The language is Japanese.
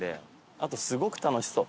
あとすごく楽しそう。